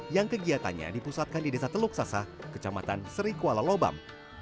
yang kegiatannya dipusatkan di desa teluk sasa kecamatan serikuala lobang